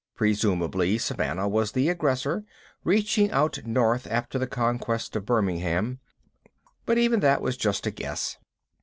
Presumably Savannah was the aggressor, reaching out north after the conquest of Birmingham, but even that was just a guess.